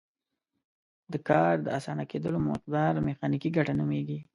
د کار د اسانه کیدلو مقدار میخانیکي ګټه نومیږي.